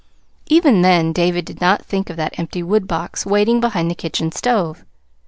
Even then David did not think of that empty woodbox waiting behind the kitchen stove.